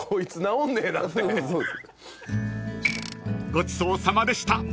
［ごちそうさまでした］